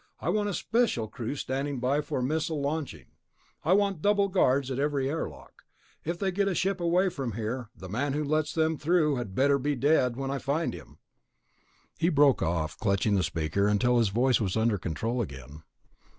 I want a special crew standing by for missile launching. I want double guards at every airlock. If they get a ship away from here, the man who lets them through had better be dead when I find him...." He broke off, clutching the speaker until his voice was under control again.